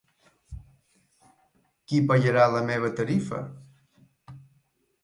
Qui pagarà la meva tarifa?